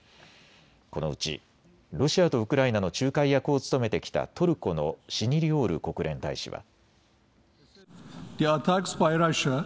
このうちロシアとウクライナの仲介役を務めてきたトルコのシニリオール国連大使は。